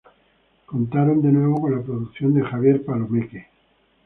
Contaron de nuevo con la producción de Javier Palomeque.